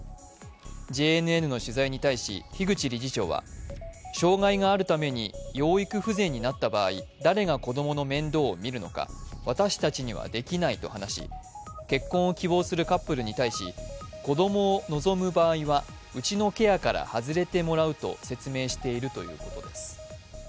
ＪＮＮの取材に対し樋口理事長は、障害があるために養育不全になった場合、誰が子供の面倒を見るのか私たちにはできないと話し、結婚を希望するカップルに対し、子供を望む場合にはうちのケアから外れてもらうと説明しているということです。